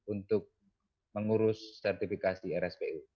untuk mengurus sertifikasi rspo